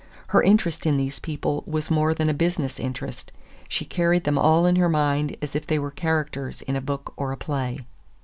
Her interest in these people was more than a business interest. She carried them all in her mind as if they were characters in a book or a play.